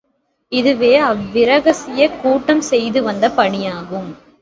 இதுவே அவ்விரகசியக் கூட்டம் செய்து வந்த பணியாகும்.